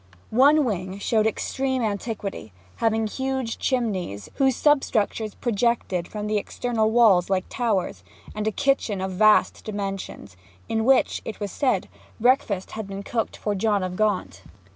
One wing showed extreme antiquity, having huge chimneys, whose substructures projected from the external walls like towers; and a kitchen of vast dimensions, in which (it was said) breakfasts had been cooked for John of Gaunt.